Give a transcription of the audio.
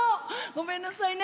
ごめんなさいね。